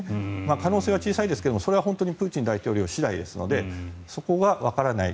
可能性は小さいですがそれは本当にプーチン大統領次第ですのでそこがわからない。